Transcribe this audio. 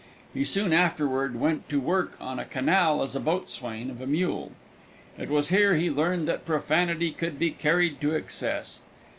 He soon afterward went to work on a canal as boatswain of a mule. It was here he learned that profanity could be carried to excess.